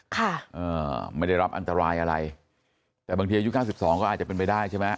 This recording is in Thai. ค่ะไม่ได้รับอันตรายอะไรแต่บางทีอายุ๙๒ก็อาจจะเป็นไปได้ใช่ไหม